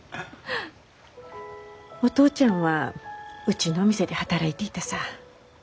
お父ちゃんはうちのお店で働いていたさぁ。